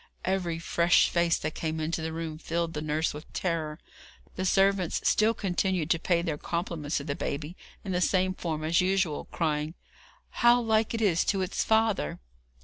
Every fresh face that came into the room filled the nurse with terror. The servants still continued to pay their compliments to the baby in the same form as usual, crying: 'How like it is to its father!'